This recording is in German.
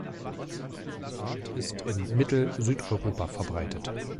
Die Art ist in Mittel-, Südeuropa verbreitet.